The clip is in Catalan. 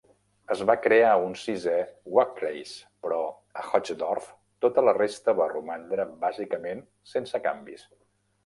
Es va crear un sisè Wahlkreis, però a Hochdorf tota la resta va romandre bàsicament sense canvis.